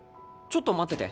ちょっと待ってて。